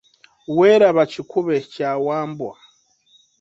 Weeraba kikube kya Wambwa